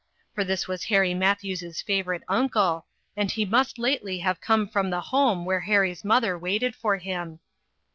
For this was Harry Matthews' favorite uncle, and he must lately have come from the home where Harry's mother waited for him.